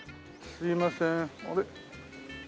すいません。